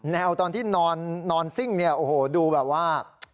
แนวตอนที่นอนซิ่งดูแบบว่า